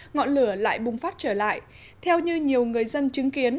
ngọn lửa lại bùng phát trở lại theo như nhiều người dân chứng kiến